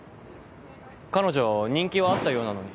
彼女人気はあったようなのに。